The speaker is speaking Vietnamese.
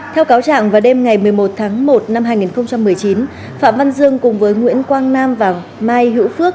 theo cáo trạng vào đêm ngày một mươi một tháng một năm hai nghìn một mươi chín phạm văn dương cùng với nguyễn quang nam và mai hữu phước